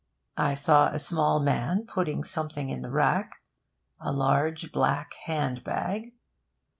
I saw a small man putting something in the rack a large black hand bag.